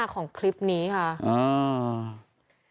ของคลิปนี้ค่ะ